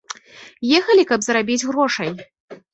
Ехалі, каб зарабіць грошай.